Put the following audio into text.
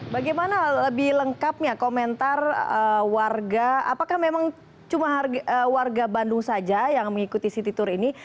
bagaimana lebih lengkapnya komentar warga apakah memang cuma warga bandung saja yang mengikuti city tour ini